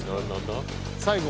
最後。